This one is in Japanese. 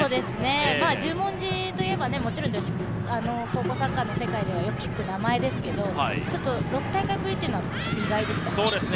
十文字といえばもちろん高校サッカーの世界ではよく聞く名前ですけど６大会ぶりっていうのは意外でしたね。